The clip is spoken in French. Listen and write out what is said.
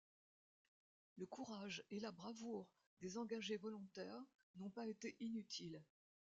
Le courage et la bravoure des engagés volontaires n'ont pas été inutiles.